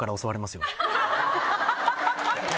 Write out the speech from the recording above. ハハハハ！